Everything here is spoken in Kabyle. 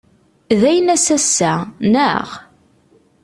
D aynas ass-a, naɣ?